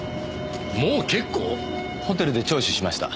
ホテルで聴取しました。